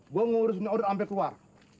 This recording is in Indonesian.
gua ngurusin odot sampe keluar